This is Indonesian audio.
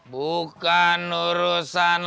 bukan urusan lu